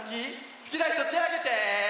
すきなひとてあげて。